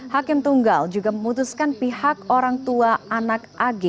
hakim tunggal juga memutuskan pihak orang tua anak ag